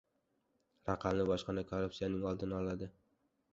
Raqamli bojxona korrupsiyaning oldini oladi